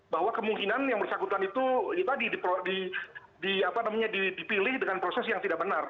bahwa kemungkinan yang bersangkutan itu dipilih dengan proses yang tidak benar